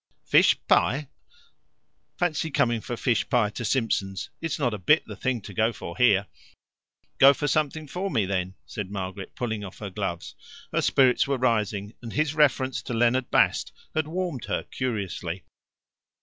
"Fish pie! Fancy coming for fish pie to Simpson's. It's not a bit the thing to go for here. " "Go for something for me, then," said Margaret, pulling off her gloves. Her spirits were rising, and his reference to Leonard Bast had warmed her curiously.